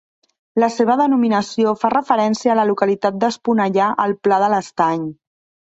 La seva denominació fa referència a la localitat d'Esponellà al Pla de l'Estany.